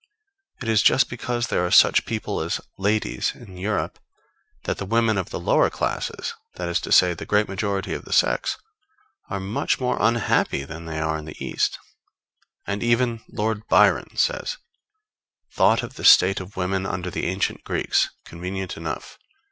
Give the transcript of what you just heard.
It is just because there are such people as ladies in Europe that the women of the lower classes, that is to say, the great majority of the sex, are much more unhappy than they are in the East. And even Lord Byron says: _Thought of the state of women under the ancient Greeks convenient enough.